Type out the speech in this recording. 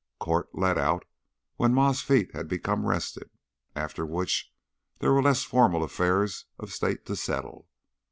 Court "let out" when Ma's feet had become rested, after which there were less formal affairs of state to settle.